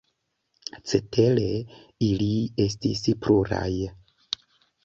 Cetere, ili estis pluraj.